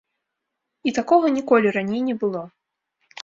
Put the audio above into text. І такога ніколі раней не было.